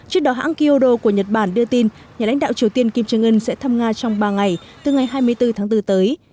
trước đó hãng kyodo của nhật bản đưa tin nhà lãnh đạo triều tiên kim jong un sẽ thăm nga trong ba ngày từ ngày hai mươi bốn tháng bốn tới